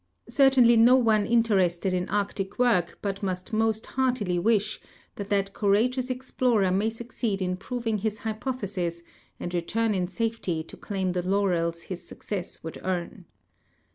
Certainly no one interested in arctic work but must most heartily wish that that courageous explorer may succeed in proving his hypothesis and return in safety to claim the laurels his success would earn.